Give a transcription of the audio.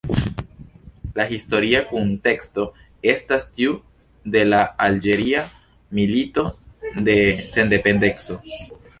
La historia kunteksto estas tiu de la Alĝeria Milito de Sendependeco.